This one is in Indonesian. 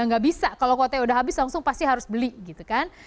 nggak bisa kalau kuotanya udah habis langsung pasti harus beli gitu kan